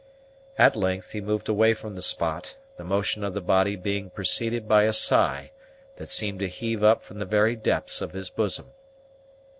At length he moved away from the spot; the motion of the body being preceded by a sigh that seemed to heave up from the very depths of his bosom.